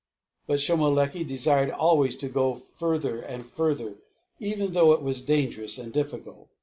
But Shomolekae desired always to go further and further, even though it was dangerous and difficult.